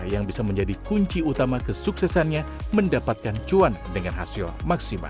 yang bisa menjadi kunci utama kesuksesannya mendapatkan cuan dengan hasil maksimal